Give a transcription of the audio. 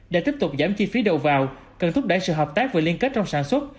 để tiếp tục giảm chi phí đầu vào cần thúc đẩy sự hợp tác và liên kết trong sản xuất